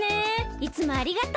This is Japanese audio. いつもありがとう。